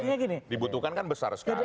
karena jumlah yang dibutuhkan kan besar sekali